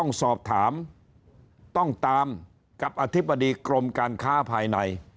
ต้องสอบถามต้องตามกับอธิบดีกรมการค้าภายใน